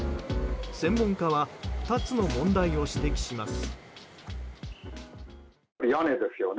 専門家は２つの問題を指摘します。